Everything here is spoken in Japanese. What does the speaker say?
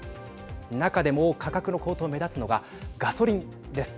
中でも価格の高騰目立つのがガソリンです。